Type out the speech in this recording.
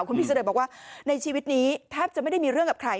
คุณพี่เสด็จบอกว่าในชีวิตนี้แทบจะไม่ได้มีเรื่องกับใคร